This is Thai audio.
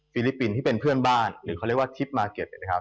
ลิปปินส์ที่เป็นเพื่อนบ้านหรือเขาเรียกว่าทริปมาร์เก็ต